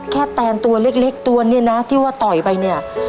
แตนตัวเล็กตัวเนี่ยนะที่ว่าต่อยไปเนี่ย